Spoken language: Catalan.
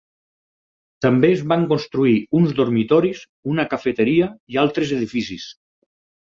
També es van construir uns dormitoris, una cafeteria i altres edificis.